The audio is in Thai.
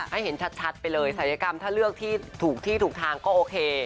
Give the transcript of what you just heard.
ให้เห็นชัดไปเลยศัยกรรมถ้าเลือกที่ถูกที่ถูกทางก็โอเค